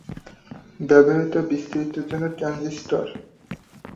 ব্যবহার বিস্তৃত জন্য ট্রানজিস্টর।